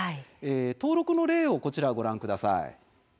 登録の例をこちらご覧ください。